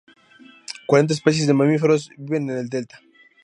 Cuarenta especies de mamíferos viven en el Delta.